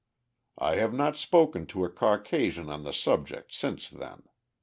I have not spoken to a Caucasian on the subject since then.